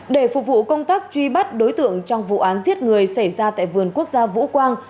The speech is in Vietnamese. để phục vụ công tác truy bắt đối tượng trong vụ án giết người xảy ra tại vườn quốc gia vũ quang